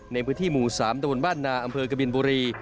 ในพื้นที่หมู่๓ตะบนบ้านนาอำเภอกบินบุรี